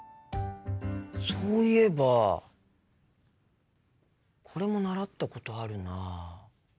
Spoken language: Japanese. そういえばこれも習ったことあるな。